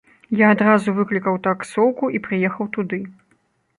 Я адразу выклікаў таксоўку і прыехаў туды.